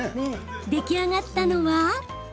出来上がったのは。